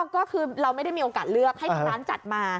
ก็คือเราไม่ได้มีโอกาสเลือกให้ทางร้านจัดมา